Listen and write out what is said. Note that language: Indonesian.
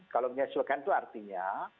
kalau menyesuaikan itu artinya